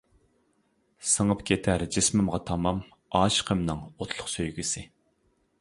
سىڭىپ كېتەر جىسمىمغا تامام، ئاشىقىمنىڭ ئوتلۇق سۆيگۈسى.